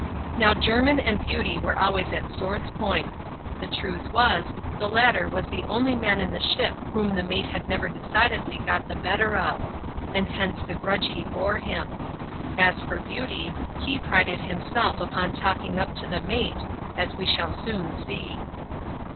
Now Jermin and Beauty were always at sword's points. The truth was, the latter was the only man in the ship whom the mate had never decidedly got the better of ; and hence the grudge he bore him. As for Beauty, he prided himself upon talking iip to the mate, as we shall soon see.